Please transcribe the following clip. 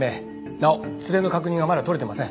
なお連れの確認はまだ取れてません。